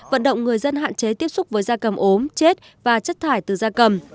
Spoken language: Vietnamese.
vận động người dân hạn chế tiếp xúc với da cầm ốm chết và chất thải từ da cầm